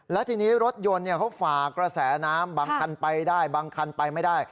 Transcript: และทีนี้รถยนต์เขาฝากระแสน้ำบางคันไปได้บางคันไปไม่ได้